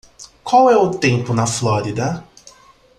Qual é o tempo na Flórida?